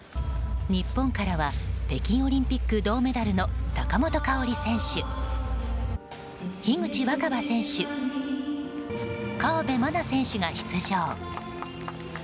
日本からは北京オリンピック銅メダルの坂本花織選手樋口新葉選手河辺愛菜選手が出場。